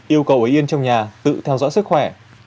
yêu cầu ở yên trong nhà tự theo dõi sức khỏe